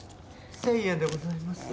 １０００円でございます。